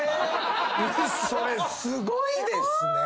それすごいですね。